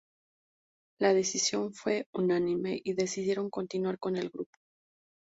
La decisión fue unánime y decidieron continuar con el grupo.